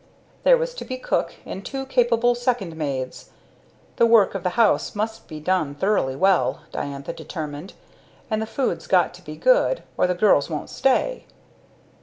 There was to be cook, and two capable second maids. The work of the house must be done thoroughly well, Diantha determined; "and the food's got to be good or the girls wont stay."